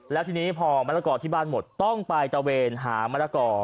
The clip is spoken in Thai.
แล้วทีนี้พอมะละกอที่บ้านหมดต้องไปตะเวนหามะละกอ